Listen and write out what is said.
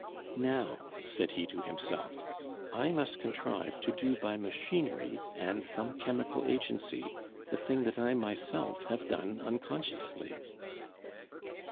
"Now," said he to himself, "I must contrive to do by machinery and some chemical agency the thing that I myself have done unconsciously."